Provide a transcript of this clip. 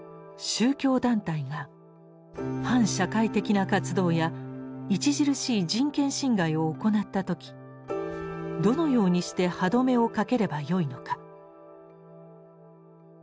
宗教団体が反社会的な活動や著しい人権侵害を行った時どのようにして歯止めをかければよいのか？